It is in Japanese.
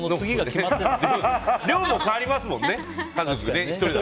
量も変わりますもんね。